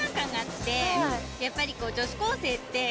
やっぱり女子高生って。